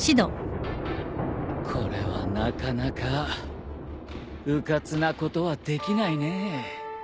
これはなかなかうかつなことはできないね。